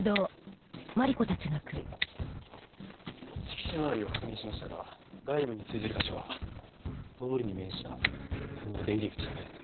敷地周りを確認しましたが外部に通じる箇所は通りに面したこの出入り口だけです。